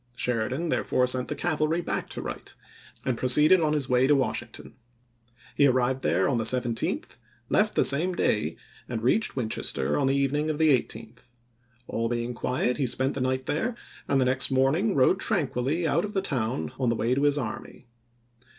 Sheridan therefore sent the cavalry back to Wright, and proceeded on his way to Washington. He arrived there on the 17th, oct.,i864. left the same day, and reached Winchester on the evening of the 18th. All being quiet he spent the night there, and the next morning rode tranquilly out of the town on the way to his army.